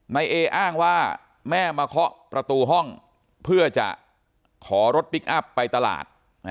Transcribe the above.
นายเออ้างว่าแม่มาเคาะประตูห้องเพื่อจะขอรถพลิกอัพไปตลาด